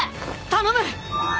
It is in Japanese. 頼む！